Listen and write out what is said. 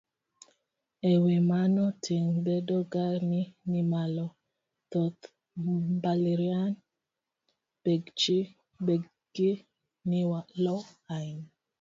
E wi mano, ting' bedo ga ni nimalo. Thoth mbalariany bechgi nimalo ahinya.